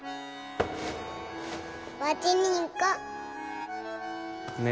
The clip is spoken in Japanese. はちにんこ。ね。